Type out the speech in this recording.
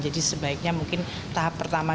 jadi sebaiknya mungkin tahap pertama